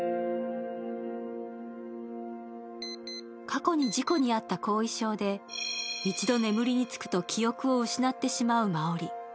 過去に事故に遭った後遺症で、一度眠りにつくと記憶を失ってしまう真織。